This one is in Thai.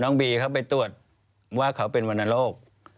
น้องบีเขาไปตรวจว่าเขาเป็นวันนันโลก